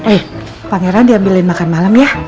eh pangeran diambilin makan malam ya